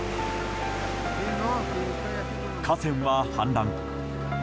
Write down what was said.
河川は氾濫。